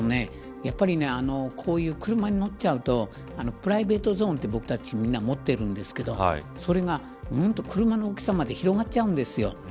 車に乗っちゃうとプライベートゾーンって僕たちみんな持っているんですがそれが、うんと車の大きさまで広がっちゃうんです。